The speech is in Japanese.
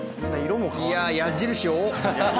いや矢印多っ！